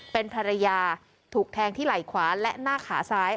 เป็นภรรยาถูกแทงที่ไหล่ขวาและหน้าขาซ้าย